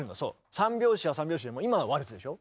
３拍子は３拍子でも今のはワルツでしょ。